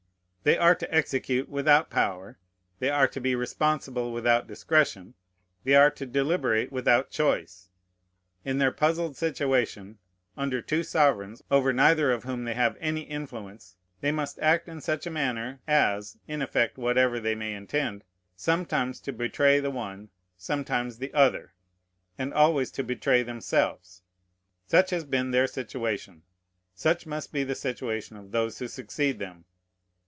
They are to execute, without power; they are to be responsible, without discretion; they are to deliberate, without choice. In their puzzled situation, under two sovereigns, over neither of whom they have any influence, they must act in such a manner as (in effect, whatever they may intend) sometimes to betray the one, sometimes the other, and always to betray themselves. Such has been their situation; such must be the situation of those who succeed them.